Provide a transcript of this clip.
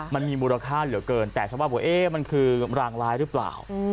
มันมีมูลค่าเหลือเกินแต่ฉันว่ามันคือรางร้ายหรือเปล่า